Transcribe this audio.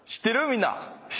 みんな。